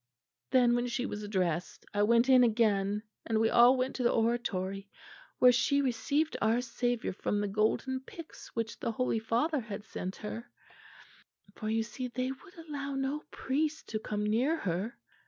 "Then when she was dressed I went in again, and we all went to the oratory, where she received our Saviour from the golden pyx which the Holy Father had sent her; for, you see, they would allow no priest to come near her....